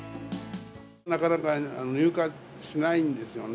なかなか入荷しないんですよね。